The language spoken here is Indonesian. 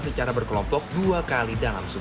secara berkelompok dua kali dalam sebulan